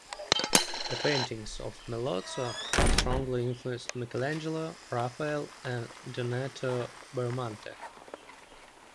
The paintings of Melozzo strongly influenced Michelangelo, Raphael and Donato Bramante.